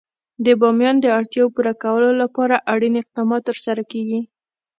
د بامیان د اړتیاوو پوره کولو لپاره اړین اقدامات ترسره کېږي.